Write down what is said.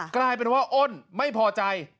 กลายเป็นว่าอ้นไม่พอใจ